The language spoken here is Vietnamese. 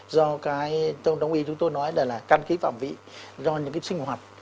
do cái đồng ý chúng tôi nói là căn khí phạm vĩ do những cái sinh hoạt